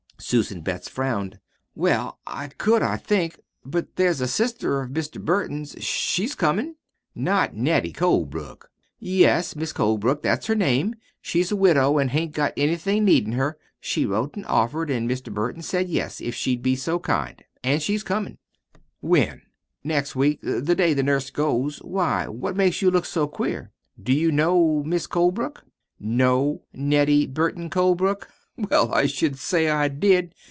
Susan Betts frowned. "Well, I could, I think. But there's a sister of Mr. Burton's she's comin'." "Not Nettie Colebrook?" "Yes, Mis' Colebrook. That's her name. She's a widow, an' hain't got anything needin' her. She wrote an' offered, an' Mr. Burton said yes, if she'd be so kind. An' she's comin'." "When?" "Next week. The day the nurse goes. Why? What makes you look so queer? Do you know Mis' Colebrook?" "Know Nettie Burton Colebrook? Well, I should say I did!